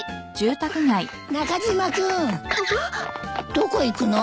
どこ行くの？